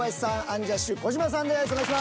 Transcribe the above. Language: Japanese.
アンジャッシュ児嶋さんです。